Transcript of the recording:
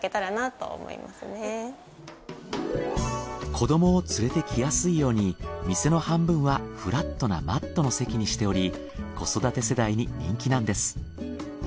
子どもを連れてきやすいように店の半分はフラットなマットの席にしており子育て世代に人気なんです。